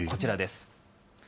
こちらです。